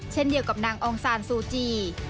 เช่นเดียวกับนางองซานซูจี